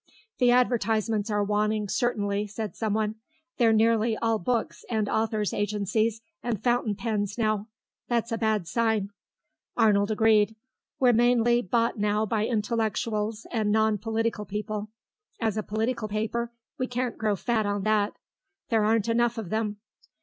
"The advertisements are waning, certainly," said someone. "They're nearly all books and author's agencies and fountain pens now. That's a bad sign." Arnold agreed. "We're mainly bought now by intellectuals and non political people. As a political paper, we can't grow fat on that; there aren't enough of them....